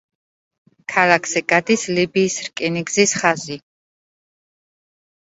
ქალაქზე გადის ლიბიის რკინიგზის ხაზი.